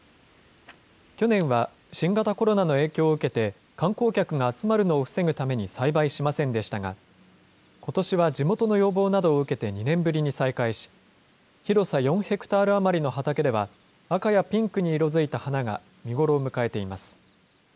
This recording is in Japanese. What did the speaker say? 去年は新型コロナの影響を受けて、観光客が集まるのを防ぐために栽培しませんでしたが、ことしは地元の要望などを受けて２年ぶりに再開し、広さ４ヘクタール余りの畑では、赤やピンクに色づいた花が見頃を迎えています。